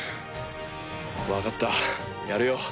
分かったやるよ。